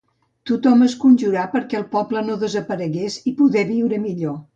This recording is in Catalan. Tothom es conjurà perquè el poble no desaparegués i poder viure millor.